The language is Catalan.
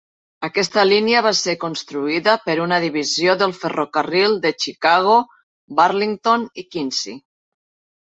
Aquesta línia va ser construïda per una divisió del ferrocarril de Chicago, Burlington i Quincy.